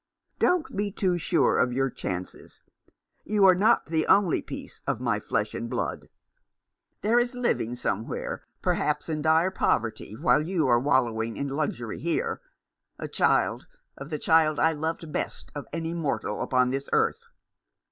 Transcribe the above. Don't be too sure of your chances. You are not the only piece of my flesh and blood. There is living, somewhere, perhaps in dire poverty, while you are wallowing in luxury here, a child of the child I loved best of any mortal upon this earth."